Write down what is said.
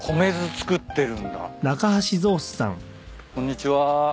こんにちは。